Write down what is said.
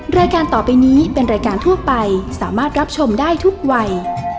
รายการต่อไปนี้เป็นรายการทั่วไปสามารถรับชมได้ทุกวัย